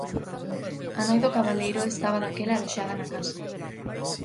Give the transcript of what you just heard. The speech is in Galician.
A nai do cabaleiro estaba daquela aloxada na casa.